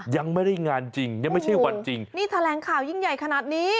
ยังไม่ได้งานจริงยังไม่ใช่วันจริงนี่แถลงข่าวยิ่งใหญ่ขนาดนี้